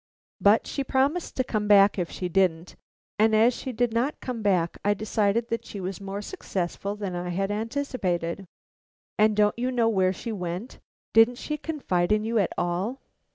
But she promised to come back if she didn't; and as she did not come back I decided that she was more successful than I had anticipated." "And don't you know where she went? Didn't she confide in you at all?"